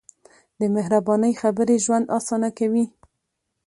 د مهربانۍ خبرې ژوند اسانه کوي.